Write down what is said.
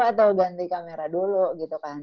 atau ganti kamera dulu gitu kan